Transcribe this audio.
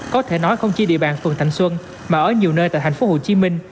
có thể nói không chỉ địa bàn phường thành xuân mà ở nhiều nơi tại thành phố hồ chí minh